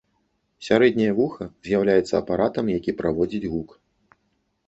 Сярэдняе вуха з'яўляецца апаратам, які праводзіць гук.